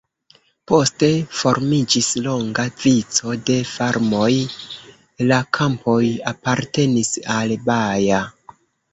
Poste formiĝis longa vico de farmoj, la kampoj apartenis al Baja.